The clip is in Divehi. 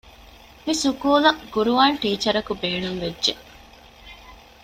މިސުކޫލަށް ޤުރުޢާން ޓީޗަރަކު ބޭނުންވެއްޖެ